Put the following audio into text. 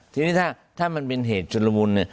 ทีนี้ถ้ามันเป็นเหตุชุดละมุน